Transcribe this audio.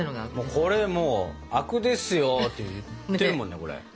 これもうあくですよって言ってるもんねこれ。